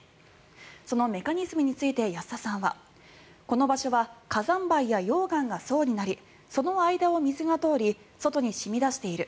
そのメカニズムについて安田さんはこの場所は火山灰や溶岩が層になりその間を水が通り外に染み出している。